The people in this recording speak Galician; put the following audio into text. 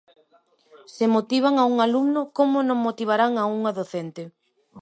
Se motivan a un alumno como non motivarán a unha docente?